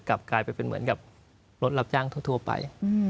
กลับกลายเป็นเหมือนกับรถรับจ้างทั่วไป